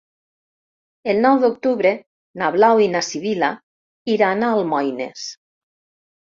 El nou d'octubre na Blau i na Sibil·la iran a Almoines.